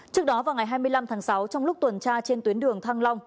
trước đó vào ngày hai mươi năm tháng sáu trong lúc tuần tra trên tuyến đường thăng long